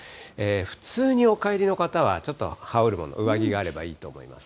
普通にお帰りの方はちょっと羽織るもの、上着があればいいと思います。